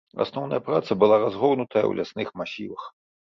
Асноўная праца была разгорнутая ў лясных масівах.